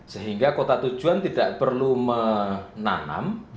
sehingga kota tujuan tidak perlu menanam